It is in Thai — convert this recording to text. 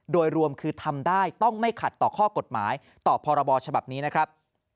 โดยรวมคือทำได้ต้องไม่ขัดต่อข้อกฎหมายต่อพรบฉบับนี้นะครับ